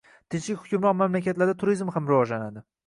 Tinchlik hukmron mamlakatda turizm ham rivojlanadi